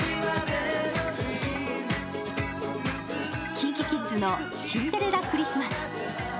ＫｉｎＫｉＫｉｄｓの「シンデレラ・クリスマス」。